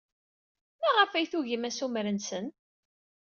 Maɣef ay tugim assumer-nsen?